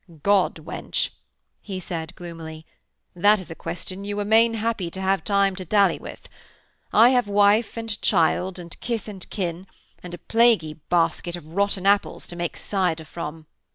'God, wench!' he said gloomily, 'that is a question you are main happy to have time to dally with. I have wife and child, and kith and kin, and a plaguey basket of rotten apples to make cider from.'